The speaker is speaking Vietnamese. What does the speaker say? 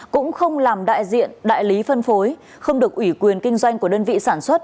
cũng không làm đại diện đại lý phân phối không được ủy quyền kinh doanh của đơn vị sản xuất